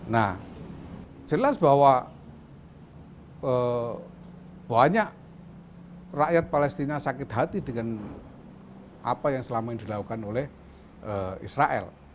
nah jelas bahwa banyak rakyat palestina sakit hati dengan apa yang selama ini dilakukan oleh israel